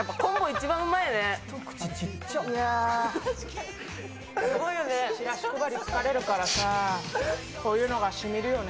チラシ配り疲れるからさ、こういうのがしみるよね。